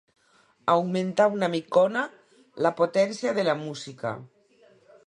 Augmentar una micona la potència de la música.